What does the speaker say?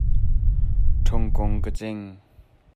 Thungkung ka cing.